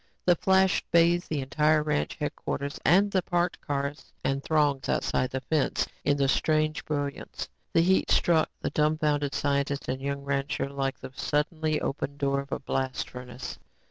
The flash bathed the entire ranch headquarters and the packed cars and throngs outside the fence in the strange brilliance. The heat struck the dumfounded scientist and young rancher like the suddenly opened door of a blast furnace.